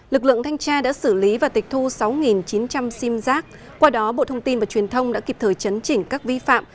lực lượng thanh tra đã xử lý và tịch thu sáu chín trăm linh sim giác qua đó bộ thông tin và truyền thông đã kịp thời chấn chỉnh các vi phạm